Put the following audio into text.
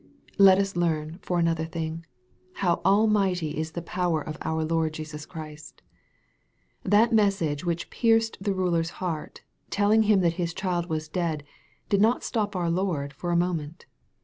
Let us learn, for another thing, how almighty is the power of our Lord Jesus Christ. That message which pierced the ruler's heart, telling him that his child was dead, did not stop our Lord for a moment.